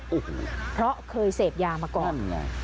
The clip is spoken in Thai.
โอ้โฮเพราะเคยเสพยามาก่อนนั่นเนอะ